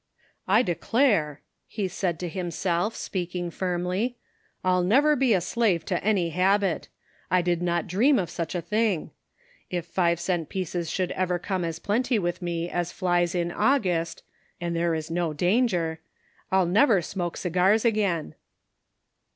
"I declare," he said to himself, speaking firmly, "I'll never be a slave to any habit! I did not dream of such a think! If five cent pieces should ever become as plenty with me as flies in August — and there is no danger — I'll never smoke cigars again."